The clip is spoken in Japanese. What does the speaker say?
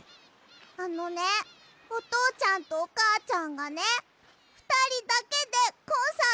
あのねおとうちゃんとおかあちゃんがねふたりだけでコンサートにいくの。